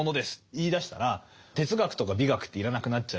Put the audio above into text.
言いだしたら哲学とか美学って要らなくなっちゃう。